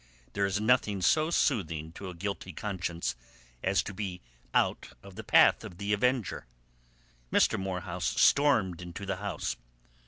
There is nothing so soothing to a guilty conscience as to be out of the path of the avenger. Mr. Morehouse stormed into the house.